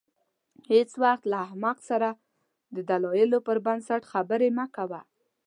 هېڅ وخت له احمق سره د دلایلو پر بنسټ خبرې مه کوه.